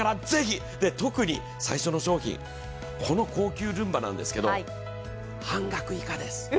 特に最初の商品、この高級ルンバなんですけれども半額以下です。